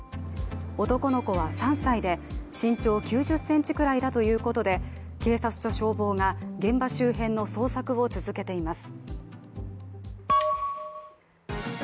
男の子は３歳で身長９０ｃｍぐらいだということで警察と消防が現場周辺の捜索を続けています。